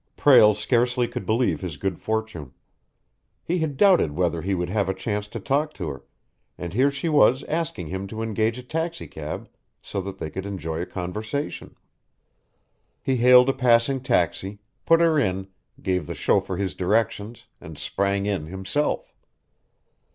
Prale scarcely could believe his good fortune. He had doubted whether he would have a chance to talk to her, and here she was asking him to engage a taxicab so that they could enjoy a conversation. He hailed a passing taxi, put her in, gave the chauffeur his directions, and sprang in himself.